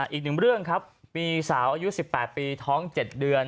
อีกหนึ่งเรื่องครับมีสาวอายุ๑๘ปีท้อง๗เดือน